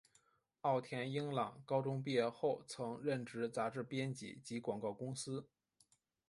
奥田英朗高中毕业后曾任职杂志编辑及广告公司。